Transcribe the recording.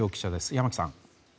山木さん。